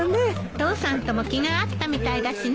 父さんとも気が合ったみたいだしね。